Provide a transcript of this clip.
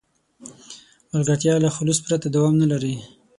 ملګرتیا له خلوص پرته دوام نه لري.